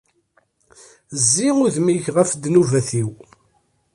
Zzi udem-ik ɣef ddnubat-iw.